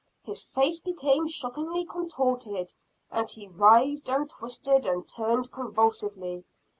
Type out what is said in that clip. His face became shockingly contorted, and he writhed and twisted and turned convulsively.